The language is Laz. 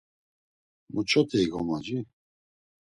Muç̌ote ikomoci?